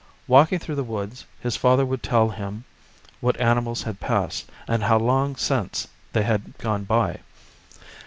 Walking through the woods his father would tell 'him what animals had passed, and how long since they had gone by.